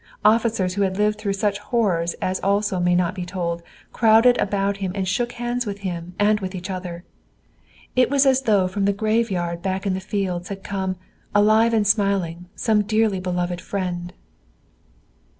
Officers who had lived through such horrors as also may not be told, crowded about him and shook hands with him, and with each other. It was as though from the graveyard back in the fields had come, alive and smiling, some dearly beloved friend.